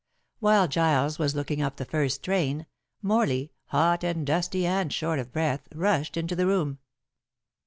While Giles was looking up the first train, Morley, hot and dusty and short of breath, rushed into the room.